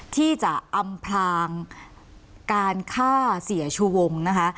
ที่จะอำพลางการฆ่าเสียชูวงนะคะ